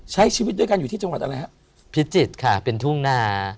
ใช้ชีวิตด้วยกันอยู่ที่จังหวัดอะไรฮะพิจิตรค่ะเป็นทุ่งนา